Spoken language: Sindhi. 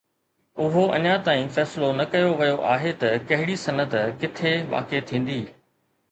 اهو اڃا تائين فيصلو نه ڪيو ويو آهي ته ڪهڙي صنعت ڪٿي واقع ٿيندي.